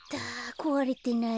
こわれてない。